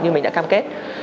như mình đã cam kết